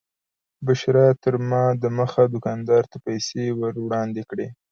بشرا تر ما دمخه دوکاندار ته پیسې ور وړاندې کړې.